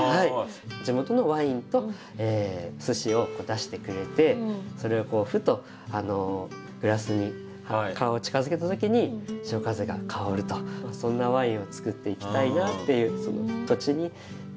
地元のワインとすしを出してくれてそれをふとグラスに顔を近づけた時に潮風が香るとそんなワインをつくっていきたいなっていう。